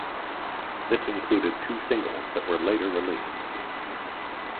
This included two singles that were later released.